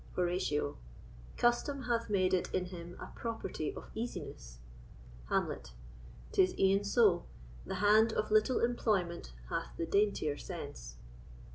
Horatio. Custom hath made it in him a property of easiness. Hamlet. 'Tis e'en so: the hand of little employment hath the daintier sense.